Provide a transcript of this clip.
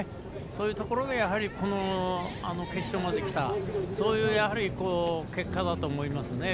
そういうところで決勝まできた結果だと思いますね。